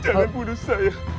jangan bunuh saya